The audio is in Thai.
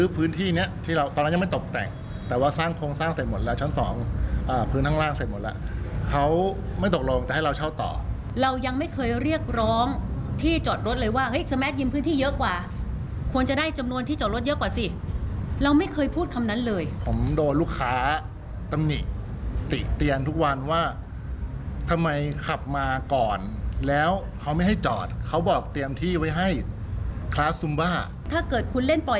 พื้นข้างล่างเสร็จหมดแล้วเขาไม่ตกลงจะให้เราเช่าต่อเรายังไม่เคยเรียกร้องที่จอดรถเลยว่าสแม็กซ์ยินพื้นที่เยอะกว่าควรจะได้จำนวนที่จอดรถเยอะกว่าสิเราไม่เคยพูดคำนั้นเลยผมโดนลูกค้าตะมิติเตียนทุกวันว่าทำไมขับมาก่อนแล้วเขาไม่ให้จอดเขาบอกเตรียมที่ไว้ให้คลาสซูมบ้าถ้าเกิดคุณเล่นปล